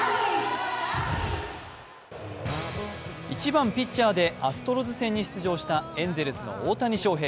１番・ピッチャーでアストロズ戦に出場したエンゼルスの大谷翔平。